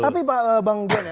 tapi bang gian ya